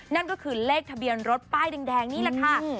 นั่นก็คือเลขทะเบียนรถป้ายแดงนี่แหละค่ะ